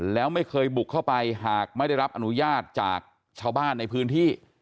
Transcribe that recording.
แล้วไม่เคยบุกเข้าไปหากไม่ได้รับอนุญาตจากชาวบ้านในพื้นที่